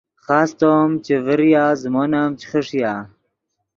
خاستو ام چے ڤریا زیمون ام چے خݰیا